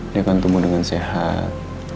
dia akan tumbuh dengan sehat